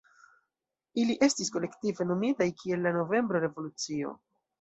Ili estis kolektive nomitaj kiel la "Novembro Revolucio".